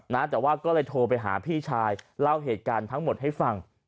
นะแต่ว่าก็เลยโทรไปหาพี่ชายเล่าเหตุการณ์ทั้งหมดให้ฟัง